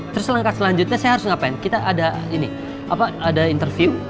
terus langkah selanjutnya saya harus ngapain kita ada ini apa ada interview